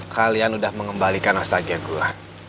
kalian udah mengembalikan nostalgia gue